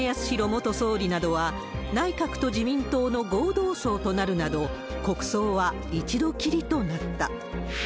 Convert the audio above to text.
元総理などは、内閣と自民党の合同葬となるなど、国葬は一度きりとなった。